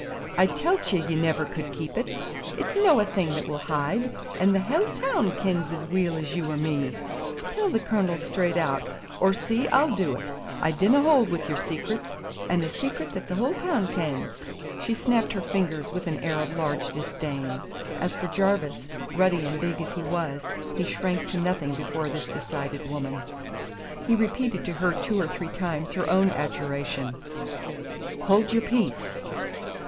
"I tellt ye you never could keep it. It's no a thing that will hide, and the haill toun kens as weel as you or me. Tell the Cornel straight out or see, I'll do it. I dinna hold wi' your secrets, and a secret that the haill toun kens!" She snapped her fingers with an air of large disdain. As for Jarvis, ruddy and big as he was, he shrank to nothing before this decided woman. He repeated to her two or three times her own adjuration, "Hold your peace!"